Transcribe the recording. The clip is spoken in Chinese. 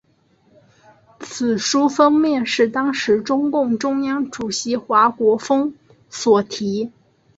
此书封面是当时中共中央主席华国锋所题。